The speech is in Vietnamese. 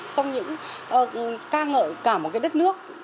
không những ca ngợi cả một cái đất nước